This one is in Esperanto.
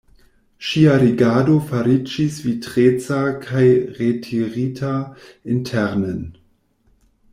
Ŝia rigardo fariĝis vitreca kaj retirita internen.